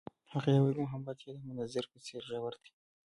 هغې وویل محبت یې د منظر په څېر ژور دی.